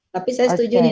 tapi saya setuju nih